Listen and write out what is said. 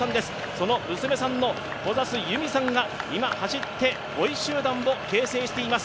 その娘さんの小指有未さんが今、走って５位集団を形成しています。